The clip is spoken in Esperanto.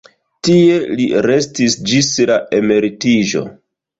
Tie li restis ĝis la emeritiĝo.